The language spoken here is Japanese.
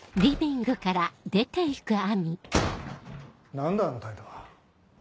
何だあの態度は。